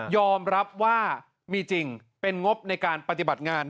อมรับว่ามีจริงเป็นงบในการปฏิบัติงาน